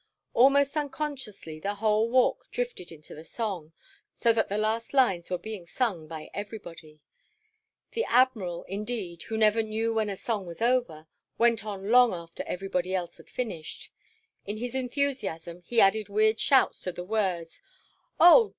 Almost unconsciously the whole Walk drifted into the song, so that the last lines were being sung by everybody. The Admiral, indeed, who never knew when a song was over, went on long after everybody else had finished. In his enthusiasm he added weird shouts to the words:—"Oh!